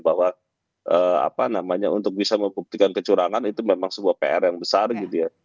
bahwa apa namanya untuk bisa membuktikan kecurangan itu memang sebuah pr yang besar gitu ya